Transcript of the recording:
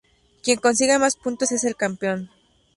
Quien consiga más puntos es el campeón.